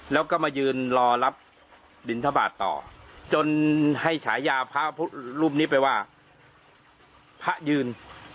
แล้วก็มายืนรอรับบินทบาทต่อจนให้ฉายาพระรูปนี้ไปว่าพระยืน